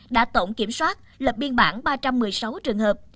đã tổng kiểm soát lập biên bản ba trăm một mươi sáu trường hợp